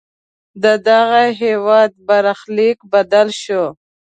ددغه هېواد برخلیک بدل شو.